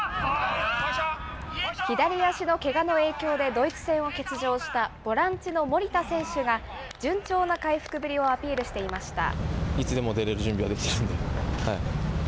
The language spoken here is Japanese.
左足のけがの影響で、ドイツ戦を欠場したボランチの守田選手が順調な回復ぶりをアピールしていました。